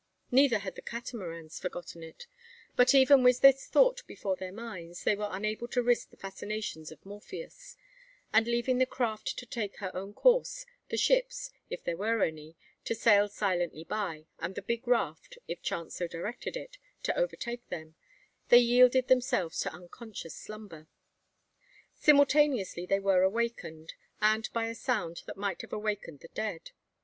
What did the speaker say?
Neither had the Catamarans forgotten it; but even with this thought before their minds, they were unable to resist the fascinations of Morpheus; and leaving the craft to take her own course, the ships, if there were any, to sail silently by, and the big raft, if chance so directed it, to overtake them, they yielded themselves to unconscious slumber. Simultaneously were they awakened, and by a sound that might have awakened the dead.